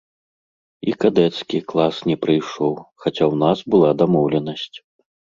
І кадэцкі клас не прыйшоў, хаця ў нас была дамоўленасць.